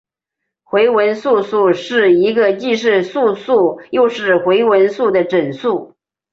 回文素数是一个既是素数又是回文数的整数。